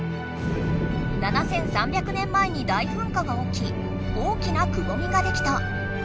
７，３００年前に大ふんかがおき大きなくぼみができた。